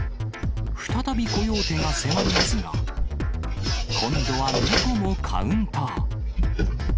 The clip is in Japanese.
再びコヨーテが迫りますが、今度は猫もカウンター。